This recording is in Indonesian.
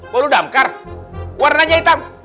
bolu damkar warnanya hitam